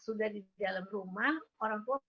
sudah di dalam rumah orang tua